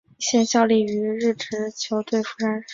现效力于日职球队富山胜利。